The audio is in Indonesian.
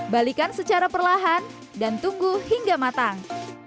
balikan secara perlahan dan tunggu hingga matang